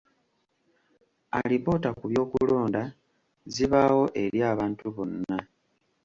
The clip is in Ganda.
Alipoota ku by'okulonda zibaawo eri abantu bonna.